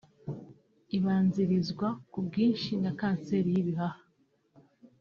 Ibanzirizwa ku bwinshi na kanseri y’ibihaha